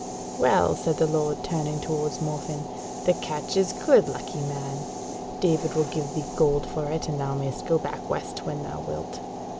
"Well," said the lord, turning towards Morfinn, "the catch is good, lucky man: David will give thee gold for it, and thou mayst go back west when thou wilt.